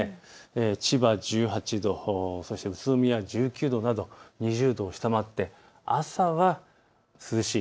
千葉１８度、宇都宮１９度など２０度を下回って朝は涼しい。